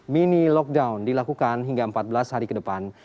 mini lockdown dilakukan hingga empat belas hari ke depan